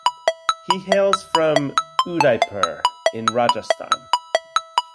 He hails from Udaipur in Rajasthan.